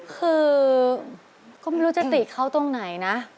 คือก็ไม่รู้จะติเขาตรงไหนนะ